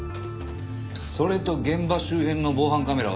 それと現場周辺の防犯カメラは３８個。